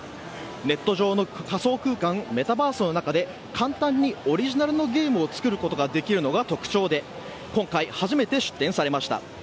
ネット上の仮想空間メタバースの中で簡単にオリジナルのゲームを作ることができるのが特徴で今回、初めて出展されました。